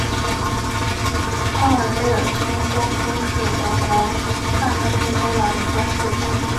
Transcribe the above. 奥尔贝尔斯多夫是德国萨克森州的一个市镇。